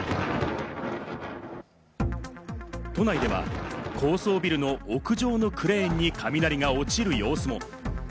都内では、高層ビルの屋上のクレーンに雷が落ちる様子も。